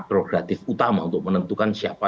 progratif utama untuk menentukan siapa